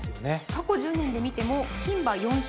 過去１０年で見ても牝馬４勝。